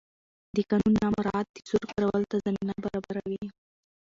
د قانون نه مراعت د زور کارولو ته زمینه برابروي